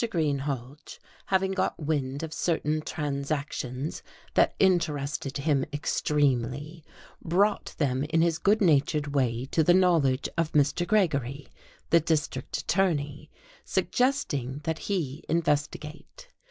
Greenhalge, having got wind of certain transactions that interested him extremely, brought them in his good natured way to the knowledge of Mr. Gregory, the district attorney, suggesting that he investigate.